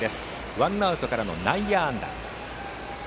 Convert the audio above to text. ワンアウトからの内野安打。